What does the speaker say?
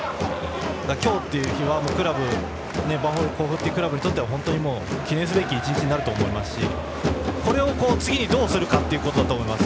今日という日はヴァンフォーレ甲府というクラブにとっては本当に記念すべき１日になると思いますしこれを次にどうするかということだと思います。